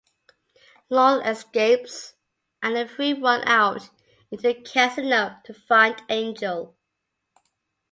Lorne escapes, and the three run out into the casino to find Angel.